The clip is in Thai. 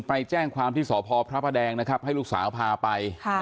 ไปแจ้งความที่สพพระประแดงนะครับให้ลูกสาวพาไป